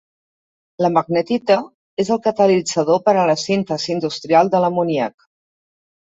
La magnetita és el catalitzador per a la síntesi industrial de l'amoníac.